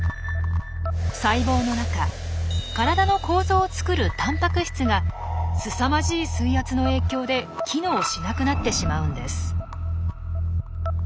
細胞の中体の構造を作るたんぱく質がすさまじい水圧の影響で機能しなくなってしまうんです。